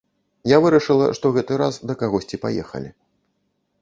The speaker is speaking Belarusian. Я вырашыла, што гэты раз да кагосьці паехалі.